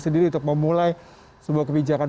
sendiri untuk memulai sebuah kebijakan